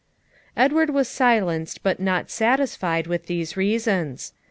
Edward was silenced but not satisfied with these reasons.